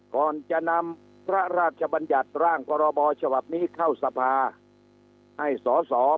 ก่อนจะนำพระราชบัญญัติร่างพรบฉบับนี้เข้าสภาให้สอสอ